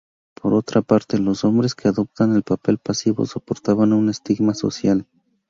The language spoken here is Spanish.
Por otra parte, los hombres que adoptaban el papel pasivo soportaban un estigma social.